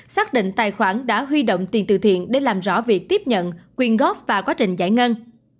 xác định tài khoản đã huy động tiền từ thiện để làm rõ việc tiếp nhận quyền góp và quá trình giải ngân